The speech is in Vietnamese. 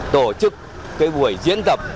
tổ chức cái buổi diễn tập